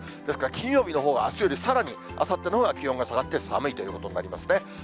ですから金曜日のほうが、あすよりさらに、あさってのほうが気温が下がって寒いということになりますね。